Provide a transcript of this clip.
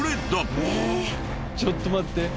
ちょっと待って。